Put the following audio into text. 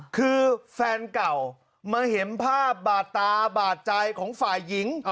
คือแฟนเก่ามาเห็นภาพบาดตาบาดใจของฝ่ายหญิง